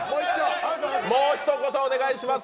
もう一言お願いします